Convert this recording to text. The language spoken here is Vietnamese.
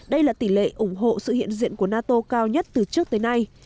đây là tỷ lệ ủng hộ sự hiện diện của nato cao nhất từ trước tới nay